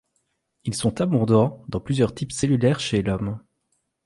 Ils sont abondants dans plusieurs types cellulaires chez l'homme.